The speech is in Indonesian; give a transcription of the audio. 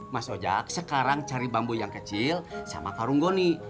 mas ojak sekarang cari bambu yang kecil sama karung goni